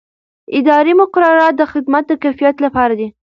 اداري مقررات د خدمت د کیفیت لپاره دي.